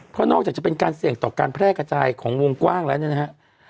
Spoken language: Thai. เพราะนอกจากจะเป็นการเสี่ยงต่อการแพร่กระจายของวงกว้างแล้วเนี่ยนะฮะ